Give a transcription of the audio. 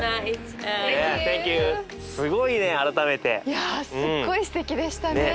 いやすっごいすてきでしたね。